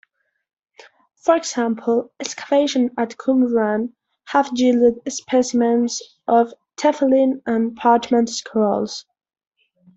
For example, excavations at Qumran have yielded specimens of "tefillin" and parchment scrolls.